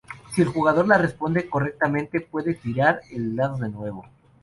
Si el jugador la responde correctamente puede tirar el dado de nuevo.